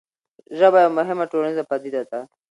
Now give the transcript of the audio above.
ژبه یوه مهمه ټولنیزه پدیده ده.